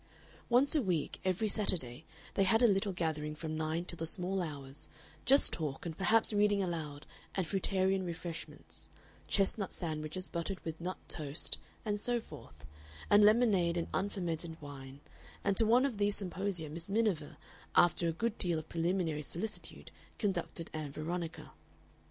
Once a week, every Saturday, they had a little gathering from nine till the small hours, just talk and perhaps reading aloud and fruitarian refreshments chestnut sandwiches buttered with nut tose, and so forth and lemonade and unfermented wine; and to one of these symposia Miss Miniver after a good deal of preliminary solicitude, conducted Ann Veronica.